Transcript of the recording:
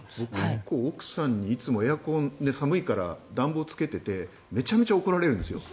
奥さんにいつもエアコンを寒いから暖房つけててめちゃめちゃ怒られるんですよ